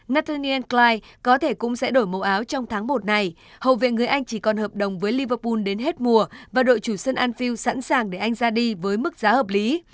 nathaniel cly có thể cũng sẽ đổi màu áo trong tháng một này hầu viện người anh chỉ còn hợp đồng với liverpool đến hết mùa và đội chủ sân anfield sẵn sàng để anh ra đi với mức giá hợp lý